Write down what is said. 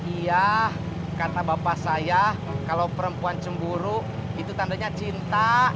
iya karena bapak saya kalau perempuan cemburu itu tandanya cinta